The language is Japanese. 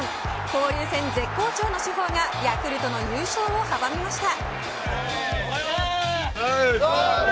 交流戦絶好調の主砲がヤクルトの優勝を阻みました。